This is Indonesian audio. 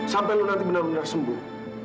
sampai lo nanti benar benar sembuh